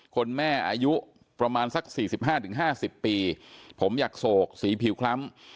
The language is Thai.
คุณแม่อายุประมาณสัก๔๕๕๐ปีผมอยากโศกสีผิวคล้ำ